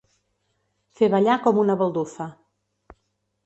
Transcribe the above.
Fer ballar com una baldufa.